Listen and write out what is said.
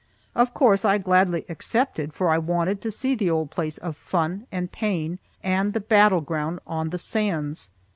Of course I gladly accepted, for I wanted to see the old place of fun and pain, and the battleground on the sands.